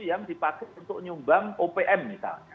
yang dipakai untuk nyumbang opm misalnya